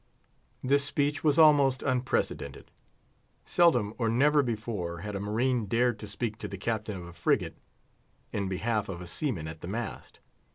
This speech was almost unprecedented. Seldom or never before had a marine dared to speak to the Captain of a frigate in behalf of a seaman at the mast.